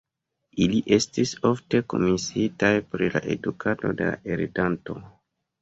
Ili estis ofte komisiitaj pri la edukado de la heredanto.